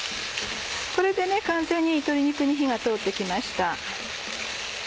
これで完全に鶏肉に火が通って来ました。